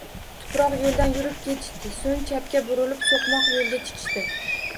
Tuproq yoʻldan yurib ketishdi, soʻng chapga burilib soʻqmoq yoʻlga chiqishdi